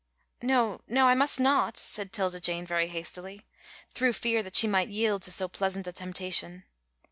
"No, no, I must not," said 'Tilda Jane very hastily, through fear that she might yield to so pleasant a temptation.